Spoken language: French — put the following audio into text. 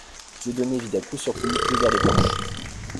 Dieudonné vida coup sur coup deux verres de punch.